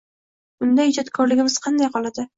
Unda ijodkorligimiz qayda qoladi?